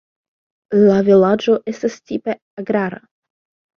La vilaĝo estas tipe agrara.